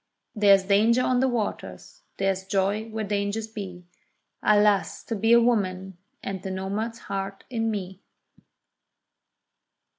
There is danger on the waters—there is joy where dangers be— Alas! to be a woman and the nomad's heart in me.